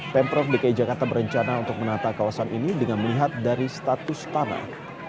pemprov dki jakarta berencana untuk menata kawasan ini dengan melihat dari status tanah